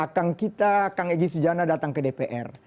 belakang kita kang egy sujana datang ke dpr